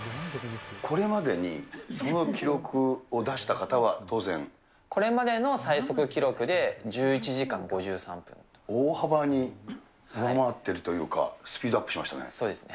これまでにその記録を出したこれまでの最速記録で１１時大幅に上回ってるというか、そうですね。